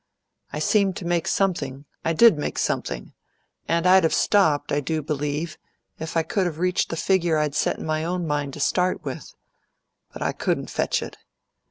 I seemed to make something I did make something; and I'd have stopped, I do believe, if I could have reached the figure I'd set in my own mind to start with; but I couldn't fetch it.